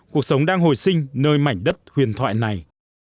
cuộc sống đang hồi sinh nơi mảnh đất huyền thoại này